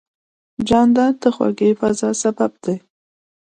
جانداد د خوږې فضا سبب دی.